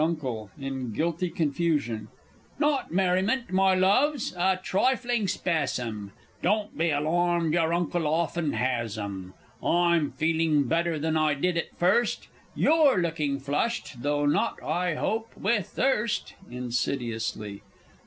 U._ (in guilty confusion). Not merriment, my loves a trifling spasm Don't be alarmed your Uncle often has 'em! I'm feeling better than I did at first You're looking flushed, though not, I hope, with thirst? [_Insidiously.